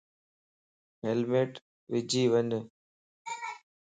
ھيلمٽ وجي وڃ